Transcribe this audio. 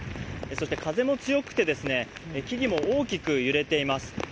そして風も強くて、木々も大きく揺れています。